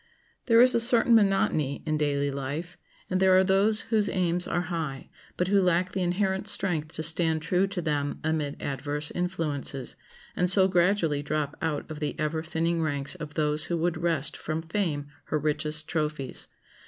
There is a certain monotony in daily life, and there are those whose aims are high, but who lack the inherent strength to stand true to them amid adverse influences, and so gradually drop out of the ever thinning ranks of those who would wrest from Fame her richest trophies.